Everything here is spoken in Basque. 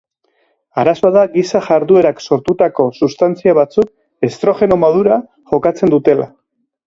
Arazoa da giza jarduerak sortutako substantzia batzuk estrogeno modura jokatzen dutela.